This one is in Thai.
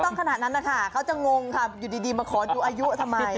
ขนาดนั้นนะคะเขาจะงงค่ะอยู่ดีมาขอดูอายุทำไม